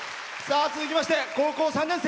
続きまして高校３年生。